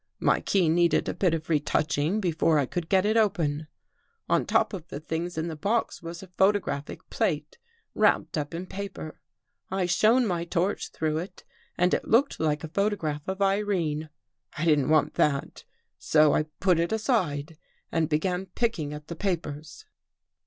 My key needed a bit of re touching before I could get it open. '' On top of the things in the box was a photo graphic plate wrapped up in paper. I shone my torch through it and it looked like a photograph of Irene. I didn't want that, so I put it aside and began picking at the papers."